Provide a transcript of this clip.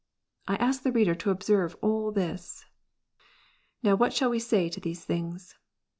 I ask the reader to observe all this. Now what shall we say to these things